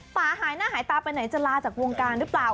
หายหน้าหายตาไปไหนจะลาจากวงการหรือเปล่า